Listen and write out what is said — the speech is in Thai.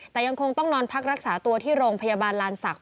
แต่ยังคงต้องนอนพักรักษาตัวที่โรงพยาบาลลานศักดิ